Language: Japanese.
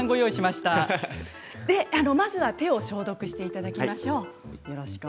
まずは手を消毒していただきましょう。